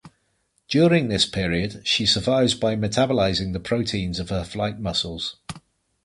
During this period she survives by metabolizing the proteins of her flight muscles.